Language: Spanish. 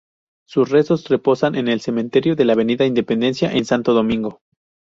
Sus restos reposan en el cementerio de la avenida Independencia en Santo Domingo.